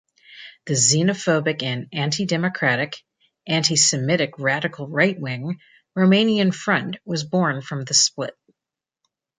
The "xenophobic and antidemocratic", "antisemitic radical right-wing", Romanian Front was born from this split.